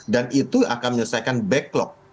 dan itu akan menyelesaikan backlog